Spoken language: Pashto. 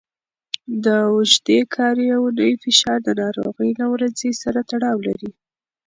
د اوږدې کاري اونۍ فشار د ناروغۍ له ورځې سره تړاو لري.